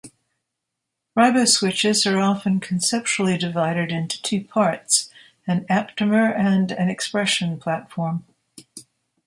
Riboswitches are often conceptually divided into two parts: an aptamer and an expression platform.